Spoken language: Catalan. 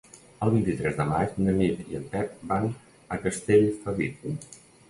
El vint-i-tres de maig na Nit i en Pep van a Castellfabib.